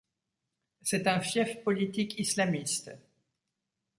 C'est un fief politique islamiste.